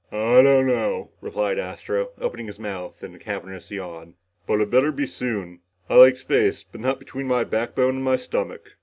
"I don't know," replied Astro, opening his mouth in a cavernous yawn. "But it'd better be soon. I like space, but not between my backbone and my stomach!"